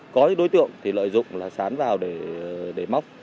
có những đối tượng thì lợi dụng là sán vào để móc